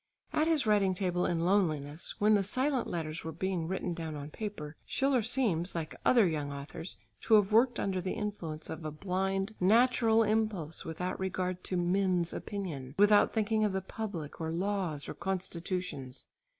At his writing table in loneliness, when the silent letters were being written down on paper, Schiller seems like other young authors to have worked under the influence of a blind natural impulse without regard to mens' opinion, without thinking of the public, or laws, or constitutions.